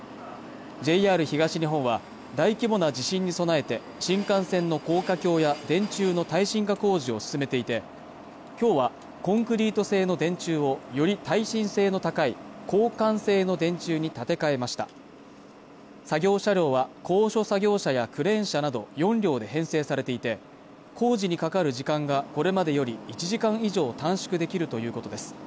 ＪＲ東日本は大規模な地震に備えて新幹線の高架橋や電柱の耐震化工事を進めていて今日はコンクリート製の電柱をより耐震性の高い鋼管製の電柱に建て替えました作業車両は高所作業車やクレーン車など４両で編成されていて工事にかかる時間がこれまでより１時間以上短縮できるということです